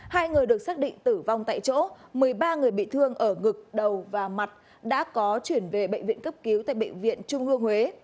hai người được xác định tử vong tại chỗ một mươi ba người bị thương ở ngực đầu và mặt đã có chuyển về bệnh viện cấp cứu tại bệnh viện trung ương huế